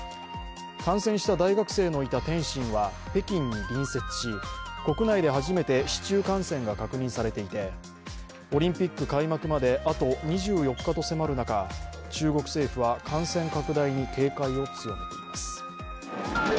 感染した大学生のいた天津は北京に隣接し国内で初めて市中感染が確認されていてオリンピック開幕まであと２４日と迫る中中国政府は感染拡大に警戒を強めています。